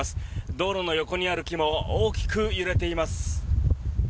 道路の横にある木も大きく揺れています。